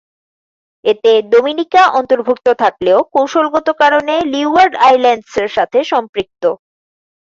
এতে ডোমিনিকা অন্তর্ভুক্ত থাকলেও কৌশলগত কারণে লিওয়ার্ড আইল্যান্ডসের সাথে সম্পৃক্ত।